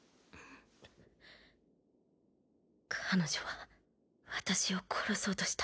彼女は私を殺そうとした。